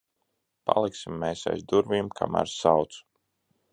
Paliksim mēs aiz durvīm, kamēr sauc.